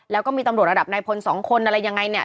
แล้วก็มีตำรวจระดับนายพลสองคนอะไรยังไงเนี่ย